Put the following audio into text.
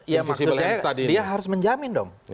ya maksudnya dia harus menjamin dong